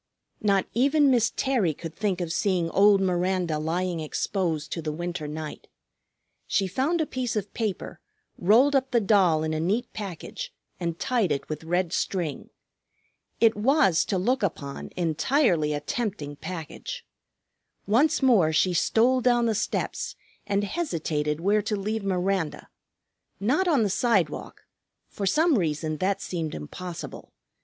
Not even Miss Terry could think of seeing old Miranda lying exposed to the winter night. She found a piece of paper, rolled up the doll in a neat package, and tied it with red string. It was, to look upon, entirely a tempting package. Once more she stole down the steps and hesitated where to leave Miranda: not on the sidewalk, for some reason that seemed impossible.